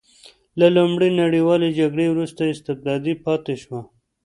د لومړۍ نړیوالې جګړې وروسته استبدادي پاتې شوه.